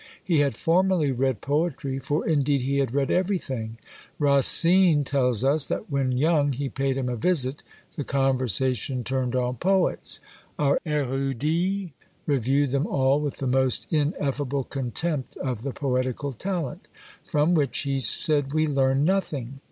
He had formerly read poetry, for indeed he had read everything. Racine tells us, that when young he paid him a visit; the conversation turned on poets; our erudit reviewed them all with the most ineffable contempt of the poetical talent, from which he said we learn nothing.